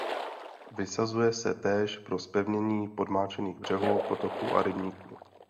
Vysazuje se též pro zpevnění podmáčených břehů potoků a rybníků.